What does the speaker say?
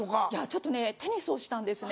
ちょっとねテニスをしたんですね